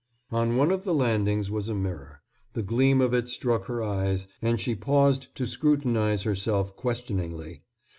On one of the landings was a mirror. The gleam of it struck her eyes, and she paused to scrutinize herself questioningly.